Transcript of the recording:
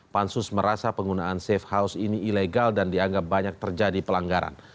pansus merasa penggunaan safe house ini ilegal dan dianggap banyak terjadi pelanggaran